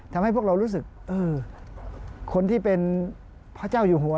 ทำให้พวกเรารู้สึกคนที่เป็นพระเจ้าอยู่หัว